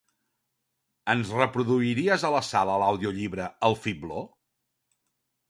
Ens reproduiries a la sala l'audiollibre "El fibló"?